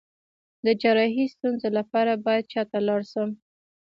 د جراحي ستونزو لپاره باید چا ته لاړ شم؟